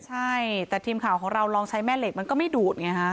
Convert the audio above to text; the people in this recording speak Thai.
ใช่แต่ทีมข่าวของเราลองใช้แม่เหล็กมันก็ไม่ดูดไงฮะ